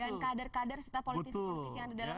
dan kadar kadar setiap politis yang ada dalamnya